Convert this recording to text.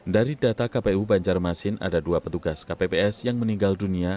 dari data kpu banjarmasin ada dua petugas kpps yang meninggal dunia